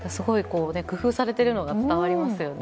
工夫されているのが伝わりますよね。